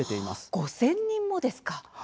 ５０００人もですか！